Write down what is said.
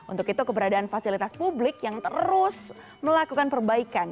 untuk itu keberadaan fasilitas publik yang terus melakukan perbaikan